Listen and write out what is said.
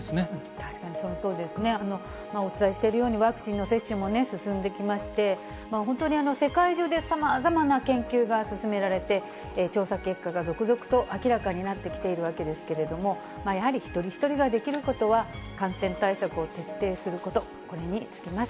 確かにお伝えしているようにワクチンの接種も進んできまして、本当に世界中でさまざまな研究が進められて、調査結果が続々と明らかになってきているわけですけれども、やはり一人一人ができることは、感染対策を徹底すること、これに尽きます。